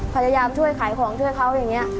พยายามช่วยขายของช่วยเขาอย่างนี้